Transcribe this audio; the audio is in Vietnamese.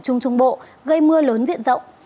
trung trung bộ gây mưa lớn diện rộng